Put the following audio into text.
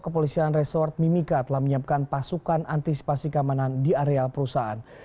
kepolisian resort mimika telah menyiapkan pasukan antisipasi keamanan di areal perusahaan